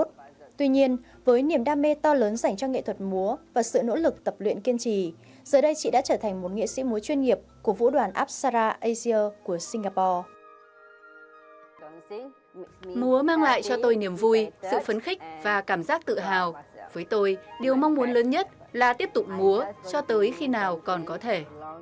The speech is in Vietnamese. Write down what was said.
với tôi điều mong muốn lớn nhất là tiếp tục múa cho tới khi nào còn có thể